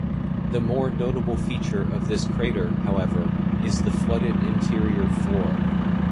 The more notable feature of this crater, however, is the flooded interior floor.